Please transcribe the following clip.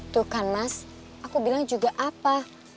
tuh kan mas aku bilang juga apa